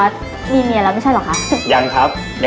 แต่สารวัตร